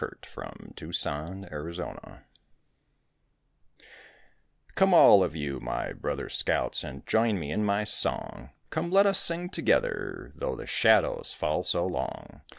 THE OLD SCOUT'S LAMENT Come all of you, my brother scouts, And join me in my song; Come, let us sing together Though the shadows fall so long.